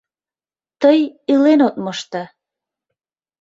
Тый илен от мошто.